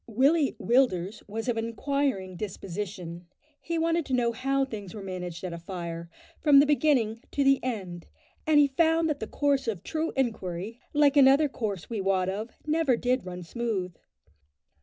Willie Willders was of an enquiring disposition. He wanted to know how things were managed at a fire, from the beginning to the end, and he found that the course of true inquiry, like another course we wot of, never did run smooth.